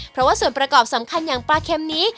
เพราะว่าส่วนประกอบสำคัญอย่างปลาเค็มนี้